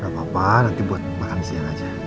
gak apa apa nanti buat makan siang aja